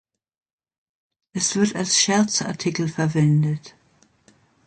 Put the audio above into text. Es wird als Scherzartikel verwendet.